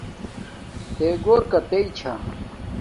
تے گھور کاتݵ ثھا